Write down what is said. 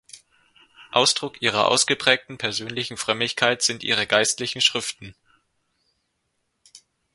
Ausdruck ihrer ausgeprägten persönlichen Frömmigkeit sind ihre geistlichen Schriften.